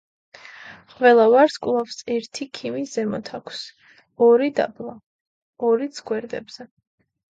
ყველა ვარსკვლავს ერთი ქიმი ზემოთ აქვს, ორი დაბლა, ორიც გვერდებზე.